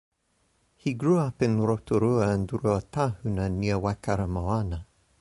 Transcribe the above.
He grew up in Rotorua and in Ruatahuna near Waikaremoana.